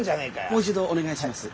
もう一度お願いします。